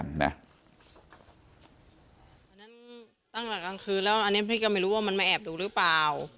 อันนั้นตั้งแต่กลางคืนแล้วอันนี้พี่ก็ไม่รู้ว่ามันมาแอบดูหรือเปล่า